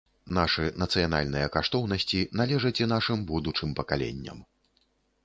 Нашы нацыянальныя каштоўнасці належаць і нашым будучым пакаленням.